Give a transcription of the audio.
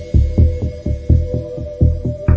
อัชฎียาเขาบอกว่าวันที่เจอสองเท้าเนี่ยพ่อเนี่ยไม่ได้เป็นขนขึ้นไปอ่า